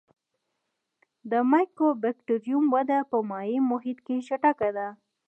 د مایکوبکټریوم وده په مایع محیط کې چټکه ده.